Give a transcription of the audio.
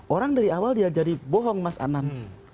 orang dari awal dia jadi bohong mas anan